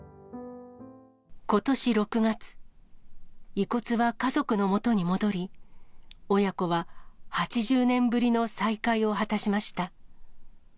ことし６月、遺骨は家族のもとに戻り、親子は８０年ぶりの再会を果たしました。